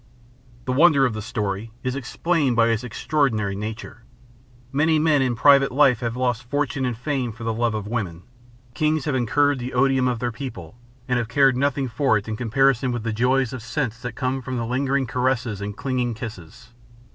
The wonder of the story is explained by its extraordinary nature. Many men in private life have lost fortune and fame for the love of woman. Kings have incurred the odium of their people, and have cared nothing for it in comparison with the joys of sense that come from the lingering caresses and clinging kisses.